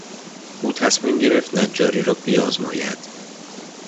او تصمیم گرفت نجاری را بیازماید.